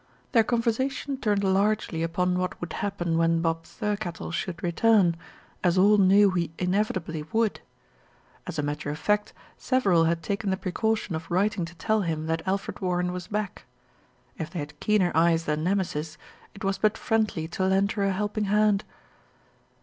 Their conversation turned largely upon what would happen when Bob Thirkettle should return, as all knew he inevitably would. As a matter of fact, several had taken the precaution of writing to tell him that Alfred Warren was back. If they had keener eyes than Nemesis, it was but friendly to lend her a helping hand.